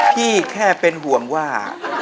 แค่เป็นห่วงว่า